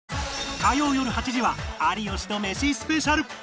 火曜よる８時は「有吉とメシ」スペシャル